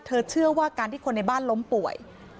เชื่อว่าการที่คนในบ้านล้มป่วย